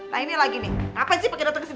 nah ini lagi nih ngapain sih pake doteng kesini